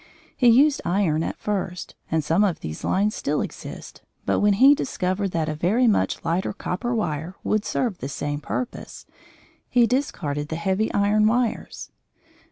He used iron at first, and some of these lines still exist, but when he discovered that a very much lighter copper wire would serve the same purpose, he discarded the heavy iron wires.